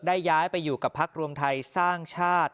ย้ายไปอยู่กับพักรวมไทยสร้างชาติ